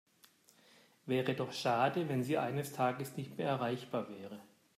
Wäre doch schade, wenn Sie eines Tages nicht mehr erreichbar wäre.